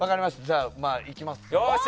じゃあまあいきますわ。